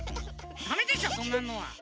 ダメでしょそんなのは。